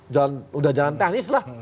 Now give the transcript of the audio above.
sudah jalan teknis lah